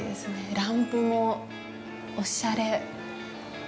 ランプもおしゃれ。